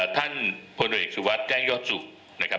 ท่านพลโดยเอกสุธสแจ้งยอดสึกนะครับ